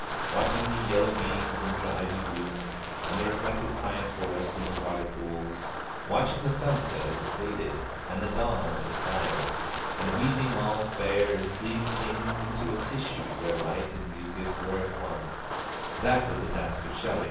Watching the yellow bees in the ivy bloom, and the reflected pine forest in the water pools, watching the sunset as it faded, and the dawn as it fired, and weaving all fair and fleeting things into a tissue where light and music were at one, that was the task of Shelley!